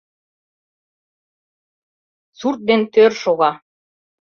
Сурт ден тор шога.